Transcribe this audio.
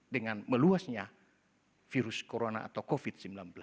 dengan meluasnya virus corona atau covid sembilan belas